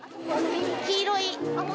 黄色い。